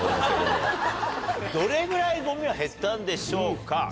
どれぐらいゴミは減ったんでしょうか。